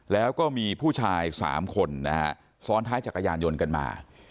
แล้วก็มีผู้ชาย๓คนนะฮะซ้อนท้ายจักรยานยนต์กันมา